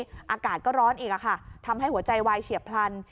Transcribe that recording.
อากาศก็ร้อนอีกค่ะทำให้หัวใจวายเฉียบพลัน